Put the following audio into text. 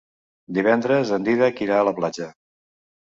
Divendres en Dídac irà a la platja.